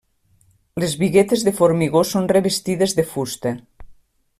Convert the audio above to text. Les biguetes de formigó són revestides de fusta.